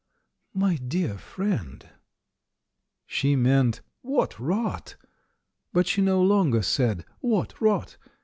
"My dear friend!" She meant "What rot!" but she no longer said "What rot!"